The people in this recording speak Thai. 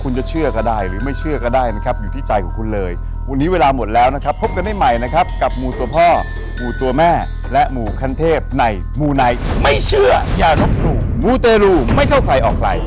โปรดติดตามตอนต่อไป